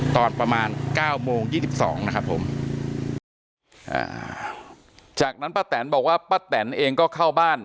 ตอนประมาณ๙โมง๒๒นะครับผมอ่าจากนั้นป้าแตนบอกว่าป้าแตนเองก็เข้าบ้าน